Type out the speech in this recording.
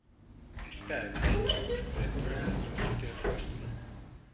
Instead, they chose the brand-new city of Houston.